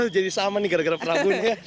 itu jadi sama nih gara gara prabu ya